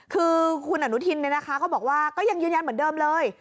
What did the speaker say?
คือคุณอนุทินก็บอกว่าก็ยังยืนยันเหมือนเดิมเลย